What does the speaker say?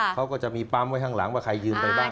เขาก็จะมีปั๊มไว้ข้างหลังว่าใครยืมไปบ้าง